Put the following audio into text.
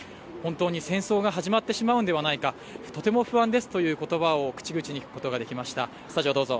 本当に戦争が始まってしまうんではないかとても不安ですという言葉を口々に聞くことができました。